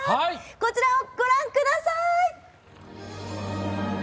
こちらをご覧ください。